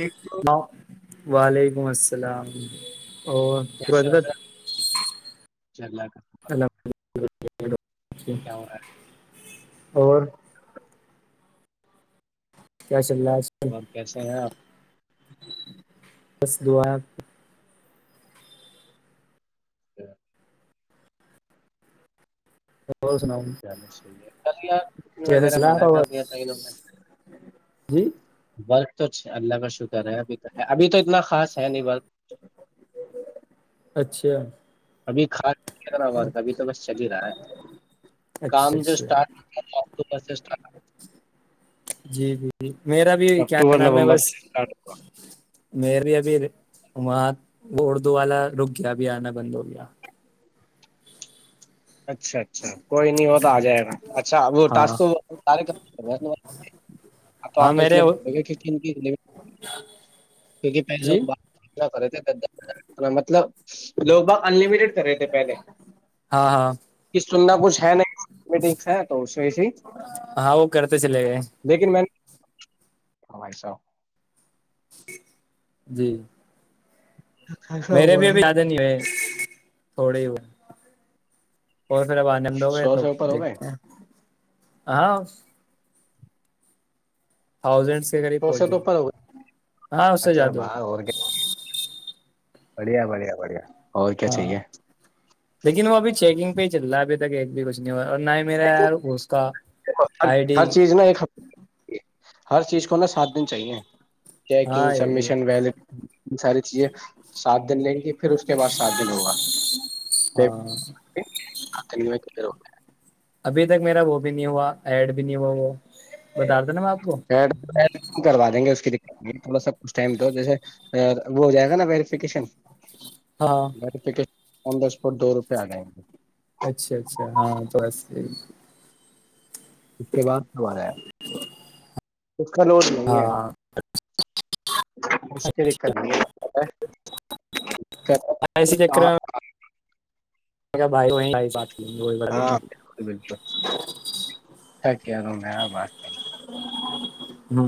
ایک ہ وعلیکم السلام [unintelligible] اورو سرج کیسے د حضرت چل ل [unintelligible] [unintelligible] اور کیاش اور کیسے ہیں آپ بس دعا [unintelligible] اور سناؤ چلوی ہے ک کیسا وغہ چلا منع آپ کر دیا بس میں جی ب توھ اللہ کا شکر ہے ابھی تو ہے ابھی تو اتنا خاص ہے نہیں بات اچھا ابھی خاص ا ابھی تو بس چل ہی رہا ہے کام اچھا جو اچھا اسٹارٹ تھا کو پرسسٹ جی ج ج میرا بھی کیا نام ہے نومبر بس سے اسٹارٹ ہوا میرری ابھی وہاں وہ اردو والا رک گیا بھی آنا بند ہو گیا اچھا اچھا کوئی نہیں ہو تو آ جائے گا اچھا ہاں وہٹے ہاں میرے کیک پہلے جی تنا کر رہے تھےنا مطلب لوگ باگ انلمیٹیڈ کرے تھے پہلے ہاں ہاں کہ سننا کچھ ہے نہیں میٹنگ سے سی ہاں وہ کرتے چلے گئے ہمائیسو جی ایسا میرے ہوا بھی ہے بھی زیادہ نہیں ہوئے تھوڑی ہی ہو اور پھر اب آنند ہو گئے سو تو سے اوپر ہو گئے دیکھتے ہیں [inaudible] تھاؤزنڈ کے قریب سو پہنچ سے تو اوپر ہو گئے جائے ہاں اس سے زیادہ ہوگا بڑیا بڑھیا بڑھیا اور کیا ہاں چاہیے لیکن وہ ابھی چیکنگ چل رہ اھیک ایکت بھی کچ نہیں ہوا اور ہی میرے یار اس کا ہر آئی ڈی ہر چیز نا ایک ہفتے ہر چیز کو نا سات دن چاہیے چیکنگ ہاں یہ بھی سبمیشن ویل ساری چیزیں ساتھ دن لیں گے پھر اس کے بعد سات دن ہوگا ہاں ہاں دو کرو ابھی تک میرا وہ بھی نہیں ہوا ایڈ بھی نہیں ہوا وہ بتا رہا تھا نا میں آپ کو کروا دیں گے اس کی دقت تھوڑا سا کچھ ٹائم دو جیسے وہ ہو جائے گا نا ویریفکیشن ہاں بر آ در اسپاٹ دو روپئے آ جائیں گے اچھا اچھا ہاں تو بس یہی اس کے بعد با دا نہیں ہے ہاں دقت نہیں اسی چکر بھائی وہ بات لیں گے وہی بات لیں گے ہاں بالکل بالکل کیا میں بات کر نو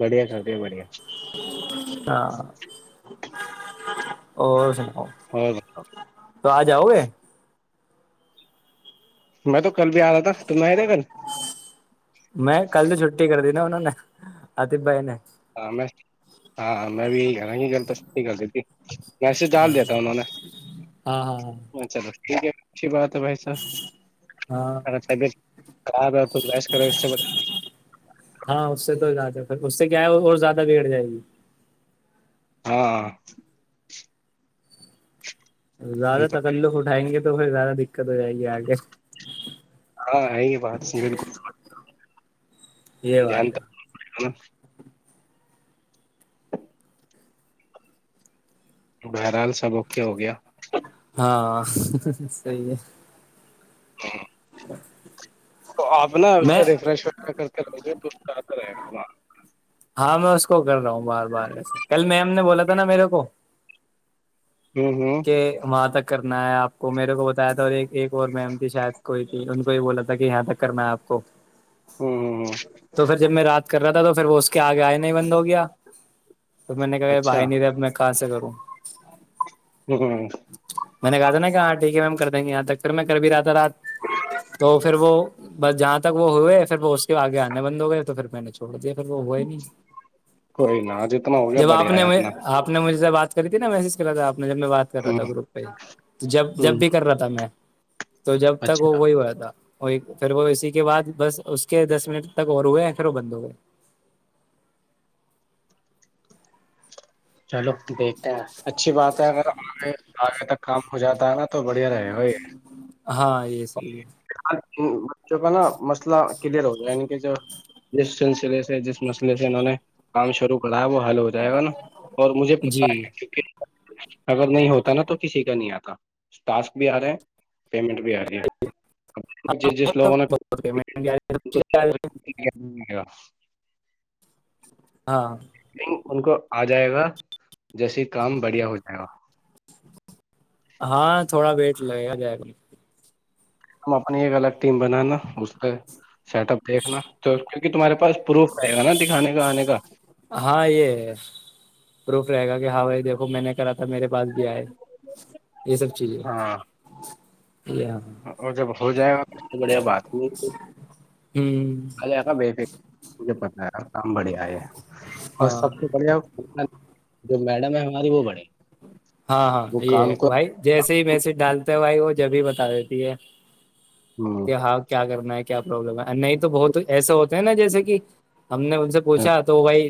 بڑھیا کردے بڑھیا ہاں اور سنا ہو تو آ جاؤ گے میں تو کل بھی آ رہا تھا تم آئے تھے کل میں کل تو چھٹی کر دی نہیں اننوں نے آتیت بائی نے ہاں میں ج میںسے ڈال ہاں دیا تھا انہوں نے ہاں ہاں چل بس ٹھیک ہے اچھی بات تو ہاں بھائیساراب ہاں اس سے تو زیادہ پھر اس سے کیا ہے وہ اور زیادہ بیگڑ جائے گی ہاں یہ زیادہ تو تتلق اٹھائیں گے تو زیادہ دقت ہو جائے گی آگے ہاں ہے ہی بات بالکل یہ دان بات ہے بہرحال سب اوکے ہو گیا ہاں صی ہے ج وق تو آپ نا اس سے ریفریش وہ کرتے رہو گے تو رہے گا وہاں ہاں میں اس کو کر رہا ہوں بار بارسے کل میم نے بولا تھا نا میرے کو ہوں ہوں کہ وہاں تک کرنا ہے آپ کو میرے کو بتایا تھا اور ایک اور میم تھی شاید کوئی تھی ان کو یہ بولا تھا کہ یہاں تک کرنا ہے آپ کو ہوں تو پھر جب میں رات کے کر رہا تھا تو پھر وہ اس کے آگے آئے نہیں بند ہو گیا توب میں نے کہا یہ اچھا بھائی نہیںے اب میں کہاں سے کروں تو ج میں نے کہا تھا نا کہ ہاں ٹھیک ہے میم کر دیں گے یہاں تک پھر میں کر بھی رہا تھا رات تو پھر وہ بس جہاں تک وہ ہوئے پھر وہ اس کے آگے آنے بند ہو گئے تو پھر میں نے چھوڑ دیا وہ ہوئے نہیں کوئی نہ جتنا ہو گیا جب آپ بڑھیا نے ہے اپنا آپ نے مجھ سے بات کرتی نایج کیا کر تھا آ نے جب میں کر رہا ہ تھا گروپ پہ تو جب ہ جب بھی کر رہا تھا میں تو جب تک وہ اچھا وہی ہوا تھا اور پھر وہ اسی کے بعد بس اس کے دس منٹ تک اور ہوئے یا پھر وہ بند ہو گئے چلو دیکھتے ہیں اچھی بات ہے اگر آگے آگے تک کام ہو جاتا ہے نا تو بڑھیا رہے ہاں یہ صحیح بچوں کا نا مسئلہ کلیئر ہو گا یعنی کہ جو جس سلسلے سے جس مسئلے سے انہوں نے کام شروع کر لو حالو ہو جائے گا نا اور مجھے پت جی ہے کیکہ اگر نہیں ہوتا نا تو کسی کا نہیں آتا ٹاسک بھی آ رہے پیمنٹ بھی آ رہی ہے جس لوگوں نے ہاں لن ان کو آ جائے گا جیس کام بڑھیا ہو جائے گا ہاں تھوڑا ویٹ لگے گا ج میں ہم اپنی ایک الگ ٹیم بنانا اس پ سیٹ اپ دیکھنا تو کی کہ تمہارے پاس پروف آئے گا نا دکھانے کا آنے کا ہاں ہا دیکو میں نے کرا ب میرے پاس بھی آئے یہ سب چیزیں ہاں یہ ہاں اور جب ہو جائے گا سب سے بڑھیا بات ہو ہ جائےا بے فکر مجھے پ ہاں کام بڑھیا ہے اور ہاں سب سے بڑھیا جو میڈم ہے ہماری وہ بڑے ہاں ہاں وہ یہ ہے کام کو بھائی جیسے ہی میسیج ڈالتے ہیں بھائی وہ جبھی بتا دیتی ہے ہوں، کہ ہؤ کیا کرنا ہے لم ہے نہیں تو بہت ایسے ہوتے ہیں نا جیسے کہ ہم نے ان سے پوچھا تو بھائی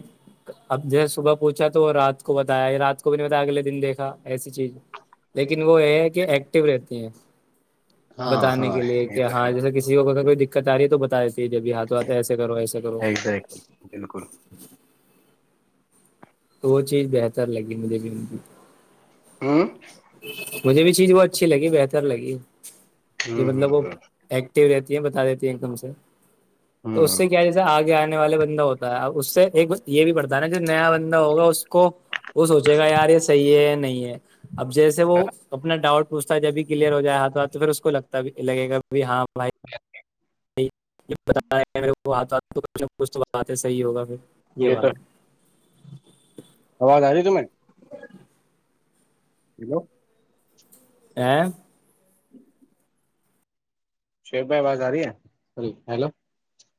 اب جیسے صبح پوچھا تو رات کو بتایا رات کو بھی نہیں بتایا اگلے دن دیکھ ایسی چیز لیکن وہ یہ ہے کہ ایکٹو رہتی ہیں ہاں بتانے ہاں کے لیے یہ کہ تو ہے ہاں جیسے کسی کو اگر کوئی دقت آ رہی ہے تو بتا جب ہاتھ آتا ایسے کرو ایسے کرو ایگزیکٹلی بالکل وہ چیز بہتر لگی مجھے بھی ان ہوں مجھے بھی چیز بہت اچھی لگی بہتر لگی جو ہوں مطلب وہ ہ ایکٹو رہتے بتا دیتی ہیں ایک دم سے تو اس ہ سے کیا جس آگے آنے والے بندہ ہوتا ہے ا اس سے ایک یہ بھی پڑتا ہے نا جو نیا بندہ ہوگا اس کو وہ سوچے گا یار یہ صحیح ہے نہیں ہے اب جیسے وہ اپنا ڈاؤٹ پوچھتا ہے جب بھی کلیئر ہو جائے ہاتھ ہاتھ تو پھر اس کو لگتا بھی لگے گا بھی ہاں بھائیاتھ پوچھ توات ہے صحیح ہوگا پھر جی ہ یہ بار تو آواز آ رہی ت میں [inaudible] ہیلو [inaudible] [inaudible] شیخ بھائی آاز آ رہی ہے ہیلو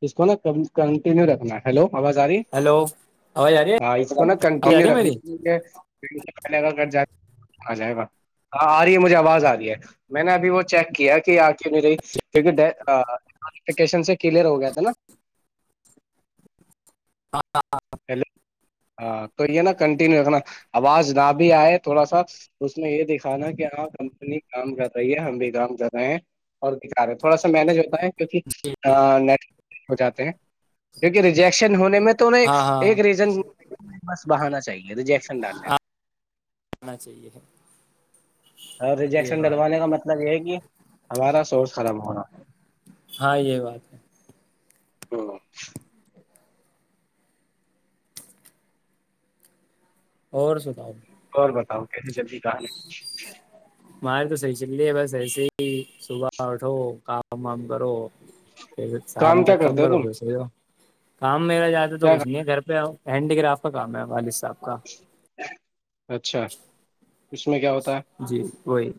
اس کو نا کنٹینیو رکھنا ہیلو آازاری ہیلو آواز آ رہی ہے ہاں اس کو نا آواز آ رہی کنٹینیو ہے رکھنا میری پ پہلے اگر گ ج آ جائے گا ہاں آ رہی ہے مجھے آواز آ رہی ہے میں نے ابھی وہ چیک کیا کہ آ کیوں نہیں رہی کیونکہ ڈفکیشن سے کیلر ہو گیا تھا نا [inaudible] ہیلو ہاں تو یہ نا کنٹینیو رکھنا آواز نہ بھی آئے تھوڑا سا اس میں یہ دکھانا کہ ہاں کمپنی کام کر رہی ہے ہم بھی کام کر رہے ہیں اور دکھا رہے تھوڑا سا مینج ہوتا ہے کیک ہو جاتے ہیں کیکہ ریجیکشن ہونے میں [inaudible] ہاں ہاں ایک آنا ریزن بس بہانا چاہیے [unintelligible] چاہیے اور یہ ریجیکشن بات ڈلوانے کا مطلب یہ ہے کہ ہمارا سورس خراب ہو رہا ہاں یہ بات ہے ہاں اور سناؤ اور بتاؤ [inaudible] ماہر تو صحیح چل رہی ہے بس ایسے ہی صبح اٹھو کام وام کرو پھر شام کام کیا تک کم کرتے ہو کرو تم تو سو کام میرا جاتے تو کیا کچھ نہیں ہے گھر پہ آؤ ہینڈی کرراف کام ہے وال اچھا اس میں کیا ہوتا ہے جی وہی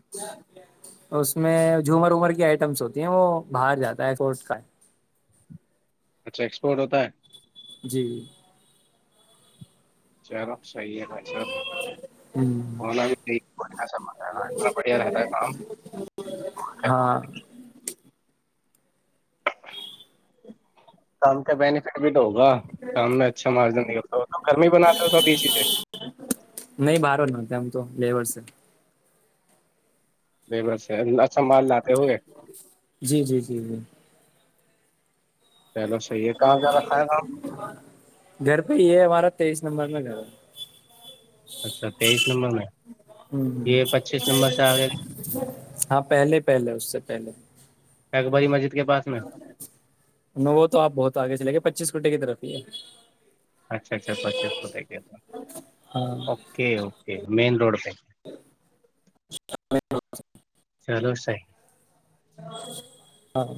اس میں جھومر عمر کی ائٹمز ہوتی ہیں وہ باہر جاتا ہے کورس کا اچھا ایکسپورٹ ہوتا ہے جی چیرا صحیح ہے بائی سا ہوں، بھی س بڑھیا رہتا ہے کام ہاں کم کا بف تو ہوگا سام میں اچھا مارجن نکلتا گرمی بناتے ہو سب اس چی سے نہیں باہر [inaudible] بےبس ہیں سنبھال لاتے ہوئے جی جی جی جی چلو صحیح ہے کہاں جا رکھا ہے کام گھر پہ ہی ہمارا تیئیس نمبر میں گا اچھا تیئیس نمبر میں ہ یہ پچیس نمبر سے آگئے ہاں پہلے پہلے اس سے پہلے ایک باری مجھے وہ تو آپ بہت آگے چلے گ پچیس کوٹے کی طرفی ہے اچھا اچھاچیس فک تھا ہاں اوکے اوکے مین روڈ پہ س چلو سی ہاں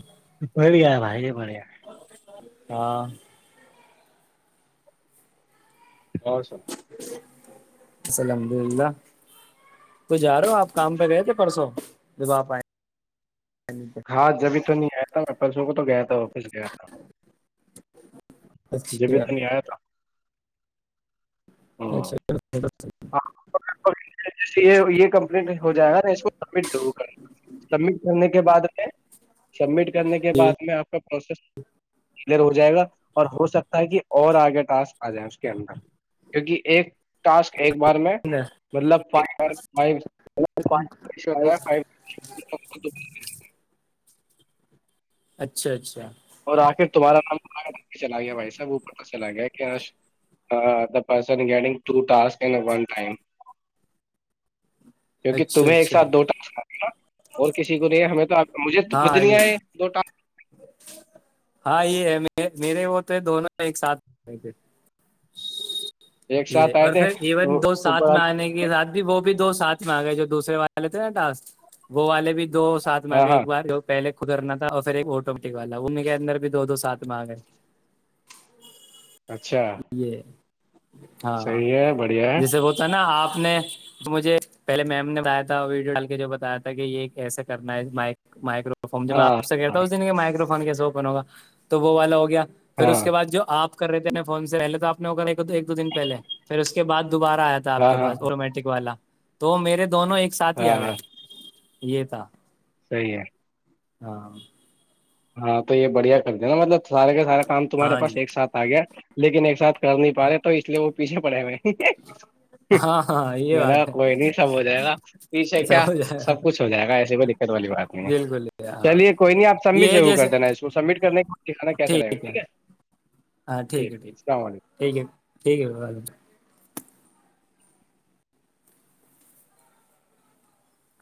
چاہے پڑے ہاں او سر السلحمد للہ ک جا رہا ہو آپ کام پہ گئے تھے پرسوں جب آپ آئے ہاں جبھی سا نہیں آیا تھا میں پسوں کو تو گیا تھا آفس گیا تھا جبھی اچھا تو نہیں آیا تھا اچھاچ ہاں یہ یہ کمپلیٹ ہو جائے گا نا اس کو سبمٹ ضرور کر سبمٹ کرنے کے بعد سبمٹ کرنے کے جی بد میں آپ کو پروسس کلیئر ہو جائے گا اور ہو سکتا ہے کہ اور آگے ٹاسک آ جائےیں اس کے اندر کیونکہ ایک ٹاسک ایک بار میں مطلب ف فتا ہے ف اچھا اچھا اور آخر تمہارا نام چلا گیا بھائی صاحب او چلا گیاگٹ کیوںک کہ اچھا تمہیں ایک اچھا سات دوٹ ہ اور کسی کو نہیں ہمیں تو مجھے خود ہاں نہیں یہ آئے دو ٹم ہاں یہ ہے میرے وہ تھے دونوں ایک ساتھ تھے ٹاسک ایک یہ ساتھ آئے اور تھے پھر تو ایون دوست اوپر ساتھ میں والے آنے کے ساتھ بھی وہ دو ساتھ میں آ گئے جو دوسرے والے تھے نا ڈاس وہ والے بھی دو ساتھ میں ہاں آگے ہاں ایک بار جو پہلے کدرنا تھا اور پھر ایک ٹ والا وہ میرے اندر بھی دو دو ساتھ مانگ ہے اچھا یہ ہاں صحیح ہے بڑھیا جیسے ہوتا ہے نا آپ نے مجھے پہے میم نے بتایا تھا ویڈیو ڈال کے جو بتایا تھا کہ یہ کیسے کرنا ہے مائکرو تو فج میں ہاں آپ سے ہاں کہتا ہوں مائکرو فون کیسے اوپن ہوگا تو وہ والا ہو گیا پھر ہاں اس کے بعد جو آپ کو کر رہتے ہیں نا فون سے پہلے تو آ نے ہو کر ایک دو دن پہے پھر اس کے بعد دوبارہ آیا تھا آپ ہاں کے ہاں پاس آٹومیٹک والا تو میرے دونوں ایک ساتھ ہی آ گئے یہ تھا صحی ہے ہاں ہاں تو یہ بڑھیا کر د نا مطلب سارے کے سارا کام تمہارے ہاں پاس جی ایک ساتھ آ گیا لیکن ایک ساتھ کر نہیں پا رہے تو اس لیے وہ پچھے پڑے ہوئے ہاں ہاں یہ م ن بات کوئی ہے نہیں سب ہو جائے گا پیچھے کیا سمجھ آیا سب کچھ ہو جائے گا ایسیے کوئی دقت والی بات نہیں ہے بالکل ہاں چلیے کوئی نہیں آپ س یہ ہے کر جیسے دینا اس سبمٹ کرنے کےکھا کیسا رہے گا ٹھیک ہے ٹھیک ہے اللام علیکم ٹھیک ہے ٹھیک ہے